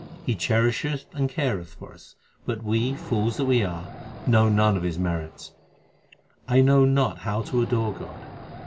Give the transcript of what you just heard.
He cherisheth and careth for us ; but we, fools that we are, know none of His merits. 1 know not how to adore God.